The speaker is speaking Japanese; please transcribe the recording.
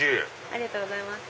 ありがとうございます。